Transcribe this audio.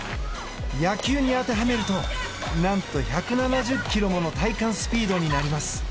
野球に当てはめるとなんと１７０キロもの体感スピードになります。